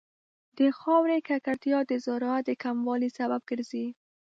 د خاورې ککړتیا د زراعت د کموالي سبب ګرځي.